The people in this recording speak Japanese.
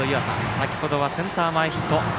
先程はセンター前ヒット。